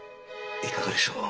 いかがでしょう。